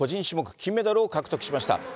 種目金メダルを獲得しました。